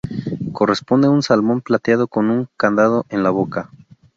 Corresponde a un salmón plateado con un candado en la boca.